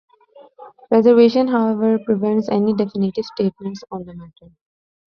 Preservation however prevents any definitive statements on the matter.